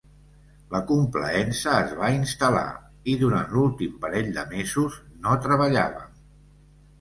La complaença es va instal·lar, i durant l'últim parell de mesos no treballàvem.